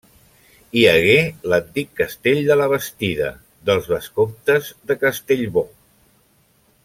Hi hagué l'antic castell de la Bastida, dels vescomtes de Castellbò.